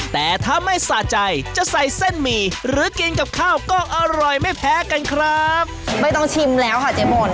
แต่ถ้าไม่สะใจจะใส่เส้นหมี่หรือกินกับข้าวก็อร่อยไม่แพ้กันครับไม่ต้องชิมแล้วค่ะเจ๊มน